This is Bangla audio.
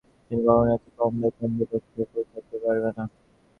তুমি কখনোই এত কম বেতন দিয়ে লক্ষ্যে পৌঁছাতে পারবে না।